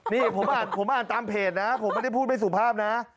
นี่ผมอ่านตามเพจนะครับผมไม่ได้พูดไปสู่ภาพนะ